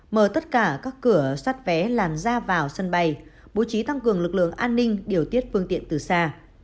mở tất cả các cửa xót vé làn ra vào sân bay bố trí tăng cường lực lượng an ninh điều tiết phương tiện từ xa